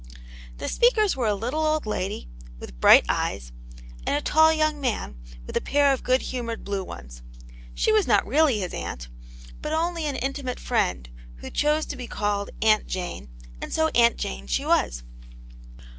The speakers were a little old lady, with bright eyes, and a tall young man, with a pair of good humoured blue ones. She was not reaWy Vv\s ;x.wtv\.>\i>\\. <^x^'i ^^ 2 Atmt Janets Hero. intimate friend, who chose to be called " Aunt Jane," and so Aunt Jane she was.